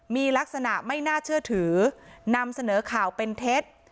มีลักษณะไม่น่าเชื่อถือนำเสนอข่าวเป็นเท็จ